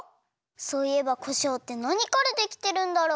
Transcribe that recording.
そういえばこしょうってなにからできてるんだろう？